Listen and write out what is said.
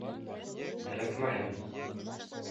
Эләкмәһен!